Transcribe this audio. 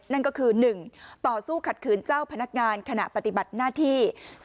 นั่นก็คือ๑ต่อสู้ขัดขืนเจ้าพนักงานขณะปฏิบัติหน้าที่